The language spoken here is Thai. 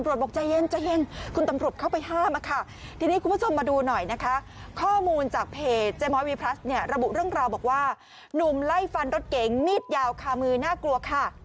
ระบุเรื่องราวบอกว่าหนุ่มไล่ฟันรถเก๋งมีดยาวคามือน่ากลัวค่ะ